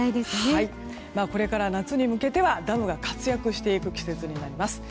これから夏に向けてはダムが活躍していく季節になります。